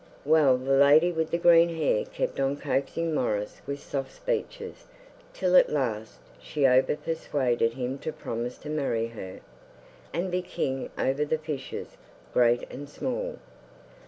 Well, the lady with the green hair kept on coaxing Maurice with soft speeches, till at last she over persuaded him to promise to marry her, and be king over the fishes, great and small.